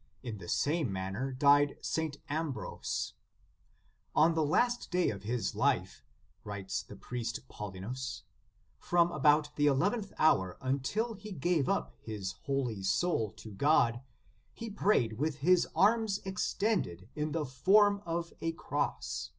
| In the same manner died St. Ambrose. "On the last day of his life," writes the priest Paulinus, "from about the eleventh hour until he gave up his holy soul to God, he prayed with his arms extended in the form of a Cross.